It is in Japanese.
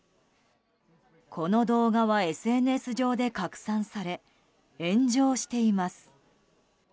この動画はＳＮＳ上で拡散され炎上しています。